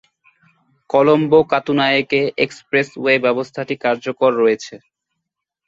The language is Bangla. কলম্বো-কাতুনায়েকে এক্সপ্রেসওয়ে ব্যবস্থাটি কার্যকর রয়েছে।